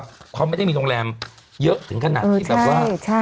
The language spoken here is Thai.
เพราะแบบมีรงค์แรมเยอะถึงขนาดที่เเท่าว่า